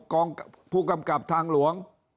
กองผู้กำกับทางหลวง